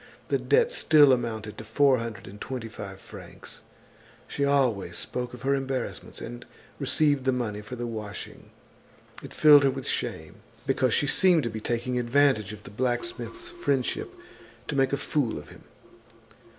The debt still amounted to four hundred and twenty five francs. She always spoke of her embarrassments and received the money for the washing. It filled her with shame, because she seemed to be taking advantage of the blacksmith's friendship to make a fool of him.